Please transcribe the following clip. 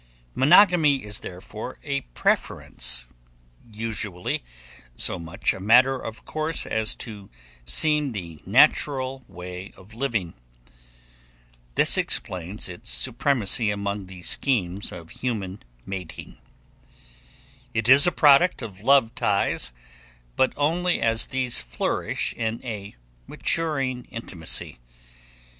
Monogamy is therefore a preference, usually so much a matter of course as to seem the natural way of living. This explains its supremacy among the schemes of human mating. It is a product of love ties, but only as these flourish in a maturing intimacy.